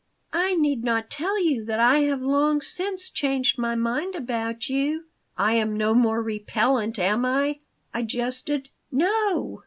"I need not tell you that I have long since changed my mind about you " "I am no more repellent, am I?" I jested "No.